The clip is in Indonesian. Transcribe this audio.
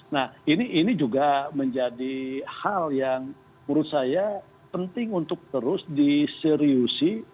nah ini juga menjadi hal yang menurut saya penting untuk terus diseriusi